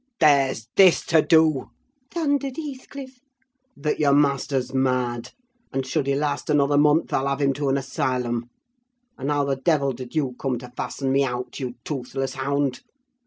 "'There's this to do,' thundered Heathcliff, 'that your master's mad; and should he last another month, I'll have him to an asylum. And how the devil did you come to fasten me out, you toothless hound?